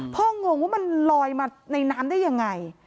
พ่องงว่ามันลอยมาในน้ำได้อย่างไร